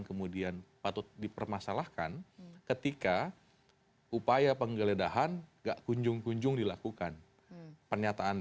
kemudian yang lucunya